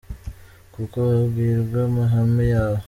Kuko babwirwa amahame yawe